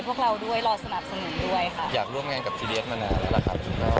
พวกเราด้วยรอสนับสนุนด้วยค่ะอยากร่วมงานกับซีเรียสมานานแล้วล่ะครับ